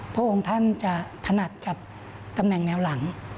พระองค์ท่านจะถนัดกับตำแหน่งแนวหลัง